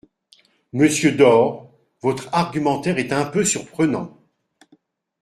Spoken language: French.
Monsieur Door, votre argumentaire est un peu surprenant.